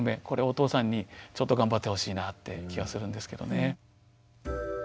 これはお父さんにちょっと頑張ってほしいなって気がするんですけどね。